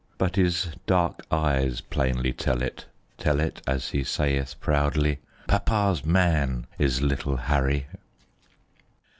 But his dark eyes plainly tell it, Tell it, as he sayeth proudly, "Papa's man is little Harry."